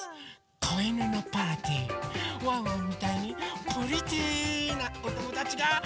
こいぬのパーティーワンワンみたいにプリティーなおともだちがあそびにきます！